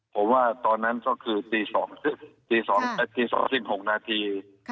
ผมว่าตอนนั้นก็คือตี๒๖นาที